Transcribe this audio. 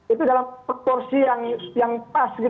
itu dalam porsi yang pas